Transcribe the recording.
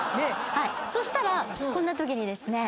そしたらこんなときにですね。